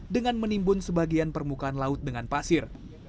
dengan menimbun sebagian permukaan laut dengan pasir